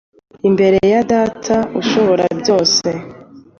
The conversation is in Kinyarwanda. imbere ya Data Ushoborabyose,